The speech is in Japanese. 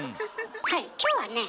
はい今日はね